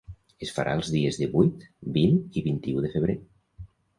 Es farà els dies divuit, vint i vint-i-u de febrer.